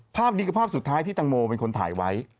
ภาพนี้คือภาพสุดท้ายที่ตังโมเป็นคนถ่ายไว้